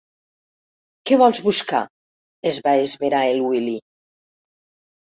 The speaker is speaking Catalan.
Què vols buscar? —es va esverar el Willy.